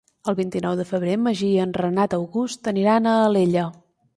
El vint-i-nou de febrer en Magí i en Renat August aniran a Alella.